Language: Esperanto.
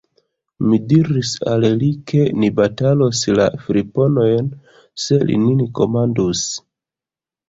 Mi diris al li, ke ni batalos la friponojn, se li nin komandus.